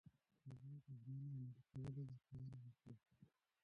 هغه د ژمنو د عملي کولو لارښوونې وکړې.